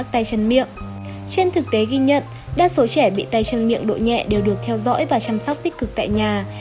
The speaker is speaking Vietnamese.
trên thực tế ghi nhận đa số trẻ bị tay chân miệng độ nhẹ đều được theo dõi và chăm sóc tích cực tại nhà